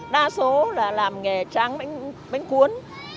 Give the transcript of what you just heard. đa số là làm nghề trang bánh cuốn